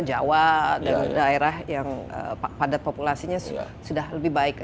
jauh dari daerah yang padat populasinya sudah lebih baik